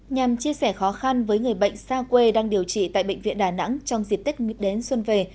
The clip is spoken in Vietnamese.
nhằm chia sẻ khó khăn với người bệnh xa quê đang điều trị tại bệnh viện đà nẵng trong dịp tết đến xuân về